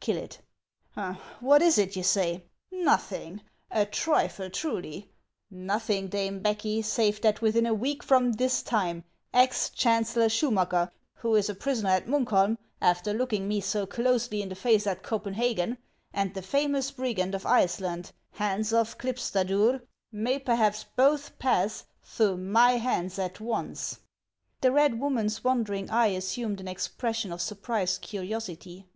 Kill it. — What is it, you say ? Xothing, — a trifle, truly ; nothing, dame Becky, save that within a week from this time ex chancellor Sehumacker, who is a prisoner at Muukholm, after looking me so closely in the face at Copenhagen, and the famous brigand of Iceland, Hans of Klipstadur, may perhaps both pass through my hands at once." 1 The Gypsy form of marriage. 420 MASS OF ICELAND. The red woman's wandering eye assumed an expression of surprised curiosity.